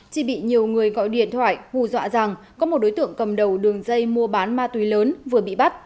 chỉ bị nhiều người gọi điện thoại hù dọa rằng có một đối tượng cầm đầu đường dây mua bán ma túy lớn vừa bị bắt